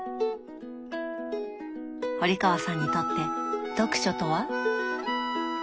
堀川さんにとって読書とは？